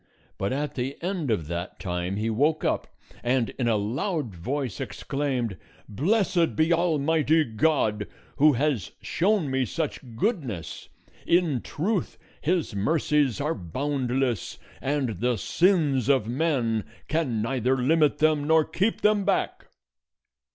But at the end of that time he woke up, and in a loud voice exclaimed, "Blessed be Almighty God, who has shown me such goodness! In truth his mercies are boundless, and the sins of men can neither limit them nor keep them back!"